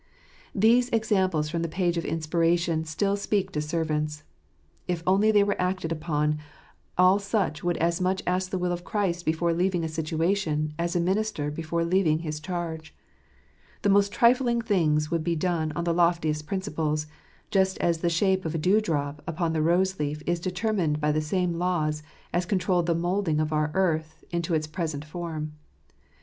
These voices from the page of inspiration still speak to servants, If only they were acted upon, all such would as much ask the will of Christ before leaving a situation as a minister before leaving his charge. The most trifling things would be done on the loftiest principles, just as the shape of a dew drop upon a rose leaf is determined by the same laws as controlled the moulding of our earth into its present form.